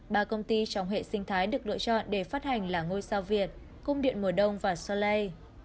ba công ty trong hệ sinh thái được lựa chọn để phát hành là ngôi sao việt cung điện mùa đông và solay